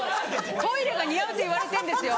トイレが似合うって言われてんですよ。